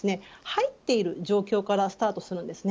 入っている状況からスタートしてます。